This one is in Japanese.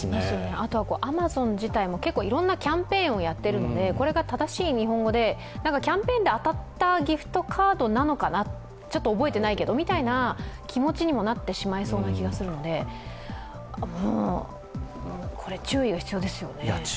あとはアマゾン自体もいろんなキャンペーンをやってるのでこれが正しい日本語でキャンペーンで当たったギフトカードなのかなちょっと覚えてないけど、みたいな気持ちにもなってしまいそうな気もするので、これ注意が必要ですよね。